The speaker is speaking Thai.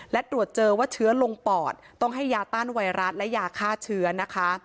และตรวจเจอว่าเชื้อลงปอดต้องให้ยาต้านไวรัสและยาฆ่าเชื้อนะคะ